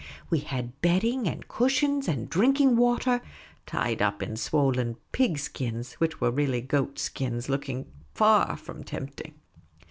We had bedding, and cushions, and drinking water tied up in swol len pig skins, which were really goat skins, looking far from tempting.